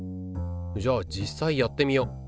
じゃあ実際やってみよ。